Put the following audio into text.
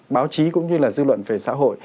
báo chí cũng như là dư luận về xã hội